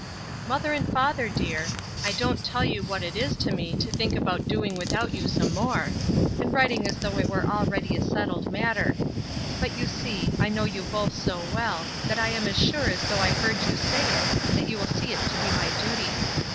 "Mother and father, dear, I don't tell you what it is to me to think about doing without you some more, and writing as though it were already a settled matter ; but, you see, I know you both so well, that I am as sure as though I heard you say it that you will see it to be my duty.